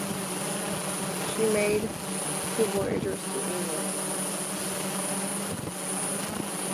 She made two voyages to England.